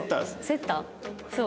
セッター。